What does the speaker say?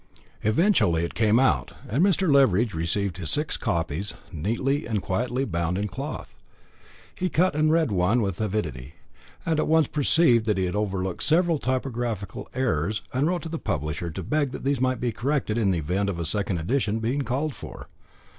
Eventually it came out, and Mr. Leveridge received his six copies, neatly and quietly bound in cloth. He cut and read one with avidity, and at once perceived that he had overlooked several typographical errors, and wrote to the publisher to beg that these might be corrected in the event of a second edition being called for.